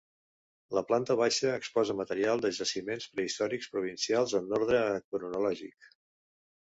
La planta baixa exposa material de jaciments prehistòrics provincials en ordre cronològic.